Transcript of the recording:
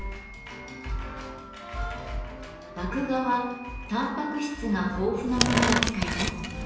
麦芽はタンパク質が豊富なものを使います。